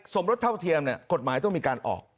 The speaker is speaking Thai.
สมรสเท่าเทียมกฎหมายต้องมีการออก